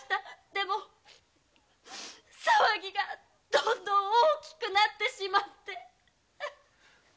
でも騒ぎがどんどん大きくなってしまって。